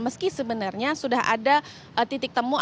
meski sebenarnya sudah ada titik temu